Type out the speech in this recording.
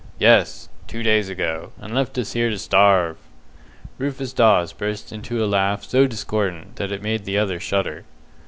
"Yes; two days ago, and left us here to starve." Rufus Dawes burst into a laugh so discordant that it made the other shudder.